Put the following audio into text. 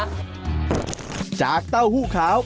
จากเต้าหู้ขาวไปจากเต้าหู้ขาว